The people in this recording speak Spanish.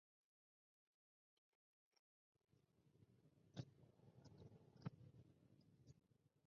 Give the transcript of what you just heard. Póstumamente fue condecorado con la Orden del Sol del Perú.